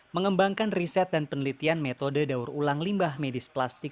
mengembangkan riset dan penelitian metode daur ulang limbah medis plastik